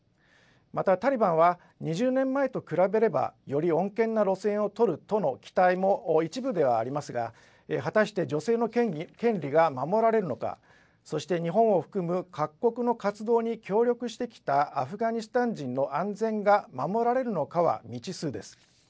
またタリバンは２０年前と比べればより穏健な路線を取るとの期待も一部ではありますが、果たして女性の権利が守られるのか、そして日本を含む各国の活動に協力してきたアフガニスタン人の安全が守られるのかは未知数です。